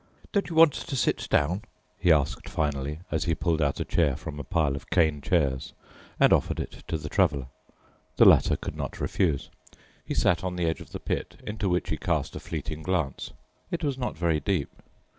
"Don't you want to sit down?" he asked finally, as he pulled out a chair from a pile of cane chairs and offered it to the Traveler. The latter could not refuse. He sat on the edge of the pit, into which he cast a fleeting glance. It was not very deep.